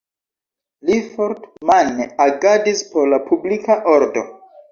Li fort-mane agadis por la publika ordo.